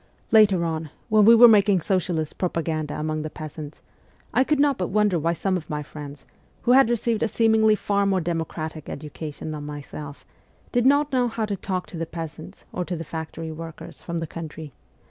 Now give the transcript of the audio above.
Later on, when we were making socialist propaganda among the peasants, I could not but wonder why some of my friends, who had received a seemingly far more democratic education than myself, did not know how to talk to the peasants or to the factory workers from the country.